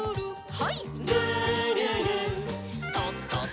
はい。